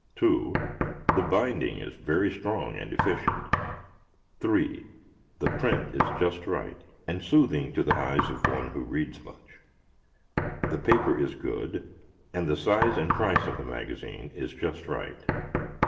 (2) The binding is very strong and efficient. (3) The print is just right, and soothing to the eyes of one who reads much. The paper is good, and the size and price of the magazine is just right.